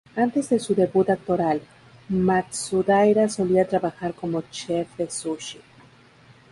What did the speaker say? Antes de su debut actoral, Matsudaira solía trabajar como chef de sushi.